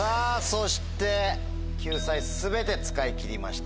そして救済全て使い切りました。